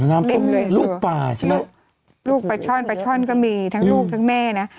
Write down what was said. น้ำต้มเลยลูกป่าใช่ไหมลูกปลาช่อนปลาช่อนก็มีทั้งลูกทั้งแม่นะ